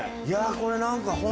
いやこれ何か。